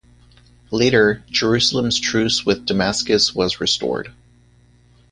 Later, Jerusalem's truce with Damascus was restored.